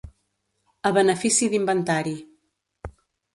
A benefici d'inventari.